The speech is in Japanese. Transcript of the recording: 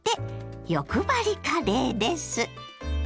欲張りカレーです。